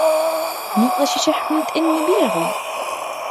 Ниъла шиша хӀунтӀенни бирару?